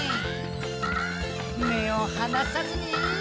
めをはなさずに。